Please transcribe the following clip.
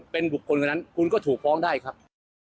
เป็นบุคคลคนนั้นคุณก็ถูกฟ้องได้ครับ